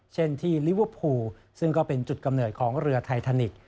เช่นที่ลิเวอร์พูลซึ่งก็เป็นจุดกำเนิดของเรือไททานิกส